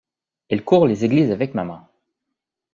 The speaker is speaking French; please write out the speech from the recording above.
Elle court les églises avec maman.